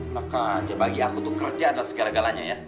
maka aja bagi aku tuh kerja adalah segala galanya ya